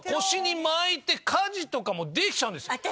腰に巻いて家事とかもできちゃうんです。